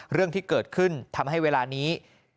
เรื่องที่เกิดขึ้นทำให้เวลานี้